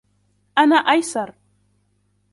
أنا أيسر.